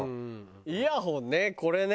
イヤホンねこれね。